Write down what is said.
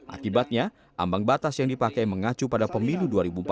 akibatnya ambang batas yang dipakai mengacu pada pemilu dua ribu empat belas